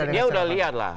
dia udah liat lah